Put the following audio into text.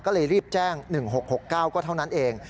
ก็เลยรีบแจ้ง๑๖๖๙ก็เท่านั้นเอง